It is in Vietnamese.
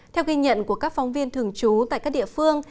theo ghi nhận của các phóng viên thường trú tại các địa phương